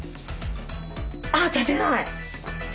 あ立てない！